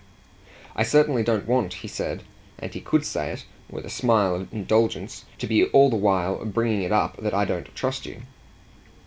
"I certainly don't want," he said and he could say it with a smile of indulgence "to be all the while bringing it up that I don't trust you."